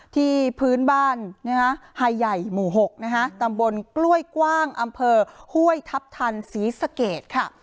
พื้นบ้านไฮใหญ่หมู่๖ตำบลกล้วยกว้างอำเภอห้วยทัพทันศรีสะเกดค่ะ